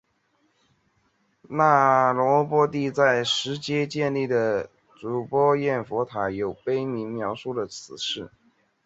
那罗波帝在实皆建立的睹波焰佛塔有碑铭描述了此事。